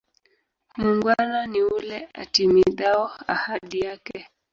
Muungwana niule atimidhao ahadi ake.